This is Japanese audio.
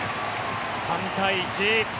３対１。